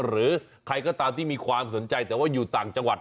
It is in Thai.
หรือใครก็ตามที่มีความสนใจแต่ว่าอยู่ต่างจังหวัด